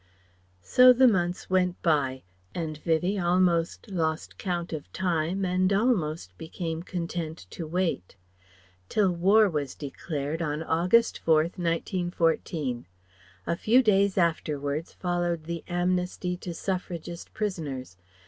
So the months went by, and Vivie almost lost count of time and almost became content to wait. Till War was declared on August 4th, 1914. A few days afterwards followed the amnesty to Suffragist prisoners.